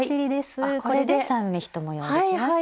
これで３目１模様ができました。